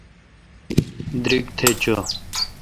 دیرگ تھ چو۔